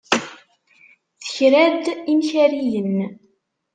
Tekra-d imkariyen.